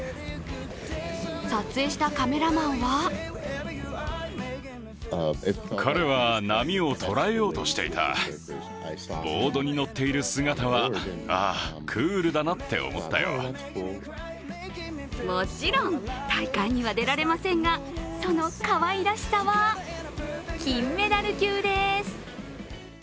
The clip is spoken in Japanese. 撮影したカメラマンはもちろん大会には出られませんが、そのかわいらしさは金メダル級です。